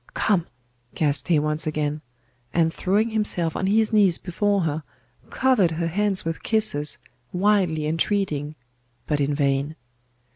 'Come!' gasped he once again; and throwing himself on his knees before her, covered her hands with kisses, wildly entreating: but in vain.